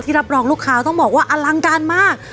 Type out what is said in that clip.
รับรองลูกค้าต้องบอกว่าอลังการมาก